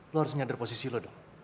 lo harus nyadar posisi lo dong